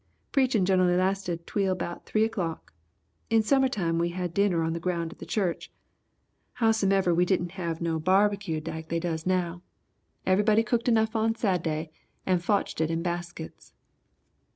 Preaching generally lasted twel bout three o'clock. In summertime we had dinner on the ground at the church. Howsomever we didn' have no barbecue like they does now. Everybody cooked enough on Sadday and fotched it in baskets.